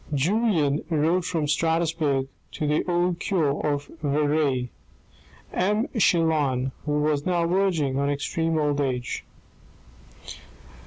Julien wrote from Strasbourg to the old cure of Verrieres, M. Chelan, who was now verging on extreme old age.